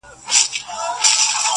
يوازي پاته کيږي-